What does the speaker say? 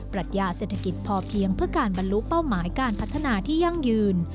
รัชญาเศรษฐกิจพอเพียงเพื่อการบรรลุเป้าหมายการพัฒนาที่ยั่งยืน